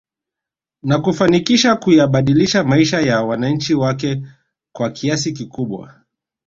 Na kufanikisha kuyabadilisha maisha ya wananchi wake kwa kiasi kikubwa